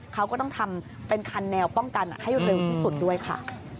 เขาก็ต้องทำเป็นคันแนวป้องกันให้เร็วที่สุดด้วยค่ะ